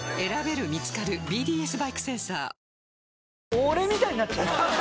俺みたいになっちゃう。